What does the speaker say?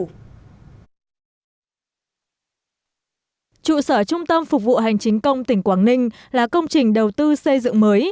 trụ sở trung tâm phục vụ hành chính công tỉnh quảng ninh là công trình đầu tư xây dựng mới